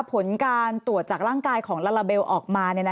ผลการตรวจจากร่างกายของลาลาเบลออกมา